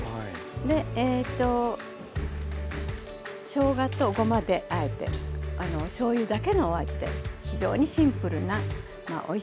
しょうがとごまであえてしょうゆだけのお味で非常にシンプルなおいしい副菜ですね。